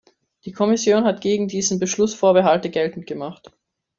Die Kommission hat gegen diesen Beschluss Vorbehalte geltend gemacht.